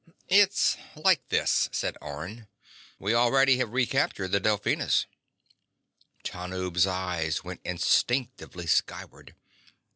_ "It's like this," said Orne. "We already have recaptured the Delphinus." Tanub's eyes went instinctively skyward.